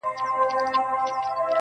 دا د زړه ورو مورچل مه ورانوی-